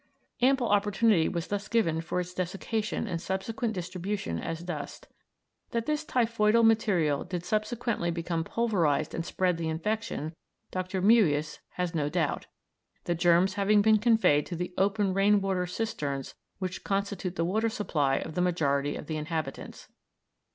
Ample opportunity was thus given for its desiccation and subsequent distribution as dust. That this typhoidal matter did subsequently become pulverised and spread the infection Dr. Mewius has no doubt, the germs having been conveyed to the open rain water cisterns which constitute the water supply of the majority of the inhabitants.